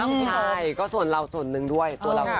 ใช่ก็ส่วนเราส่วนหนึ่งด้วย